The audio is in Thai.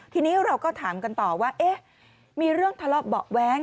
ทีนี้เราก็ถามกันต่อว่าเอ๊ะมีเรื่องทะเลาะเบาะแว้ง